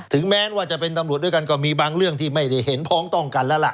แม้ว่าจะเป็นตำรวจด้วยกันก็มีบางเรื่องที่ไม่ได้เห็นพ้องต้องกันแล้วล่ะ